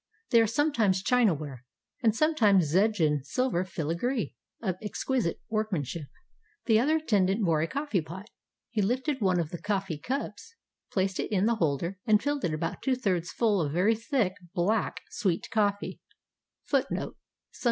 They are sometimes chinaware, and some times Zenjan silver filigree, of exquisite workmanship. A2,^ NEW YEAR'S CALLS AND GIFTS The other attendant bore a colTee pot; he lifted one of the coffee cups, placed it in the holder, and filled it about two thirds full of very thick, black, sweet cofTee.